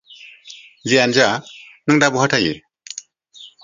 जियानो जा, नों दा बहा थायो?